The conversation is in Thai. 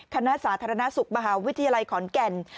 สาธารณสุขมหาวิทยาลัยขอนแก่น